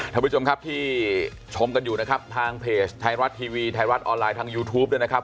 ท่านผู้ชมครับที่ชมกันอยู่นะครับทางเพจไทยรัฐทีวีไทยรัฐออนไลน์ทางยูทูปด้วยนะครับ